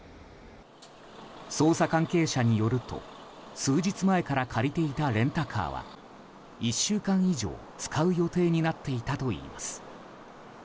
捜査関係者によると数日前から借りていたレンタカーは１週間以上、使う予定になっていたといいます。